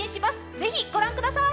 ぜひご覧ください。